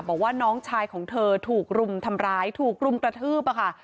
บอกว่าน้องชายของเธอถูกรุมทำร้ายถูกรุมกระทืบอะค่ะ